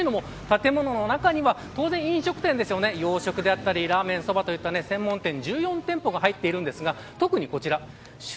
建物の中には当然、飲食店や洋食やラーメン、そばという専門店１４店舗が入ってるんですが特にこちら旬